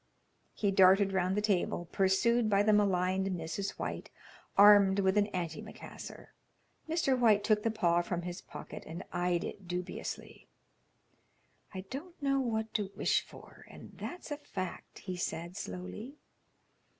He darted round the table, pursued by the maligned Mrs. White armed with an antimacassar. Mr. White took the paw from his pocket and eyed it dubiously. "I don't know what to wish for, and that's a fact," he said, slowly.